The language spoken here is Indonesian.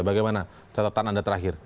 bagaimana catatan anda terakhir